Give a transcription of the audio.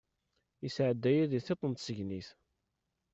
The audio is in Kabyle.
Yesɛedda-yi di tiṭ n tsegnit.